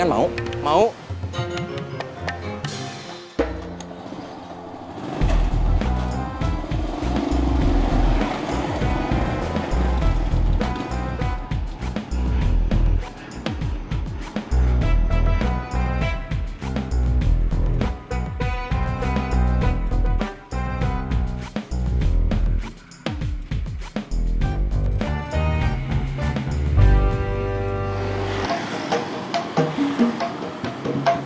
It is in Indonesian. terus aku mau pergi ke rumah